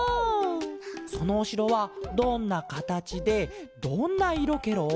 そのおしろはどんなかたちでどんないろケロ？